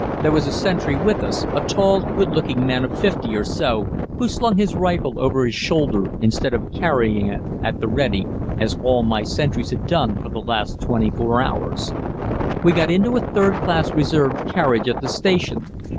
There was a sentry with us, a tall, good looking man of fifty or so, who slung his rifle over his shoulder instead of carrying it at the "ready," as all my sentries had done for the last twenty four hours. We got into a third class reserved carriage at the station.